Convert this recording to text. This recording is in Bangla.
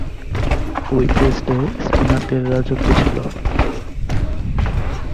ঐ টেস্টে স্পিনারদের রাজত্ব ছিল।